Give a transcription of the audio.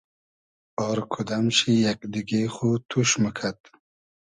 آر کودئم شی یئگ دیگې خو توش موکئد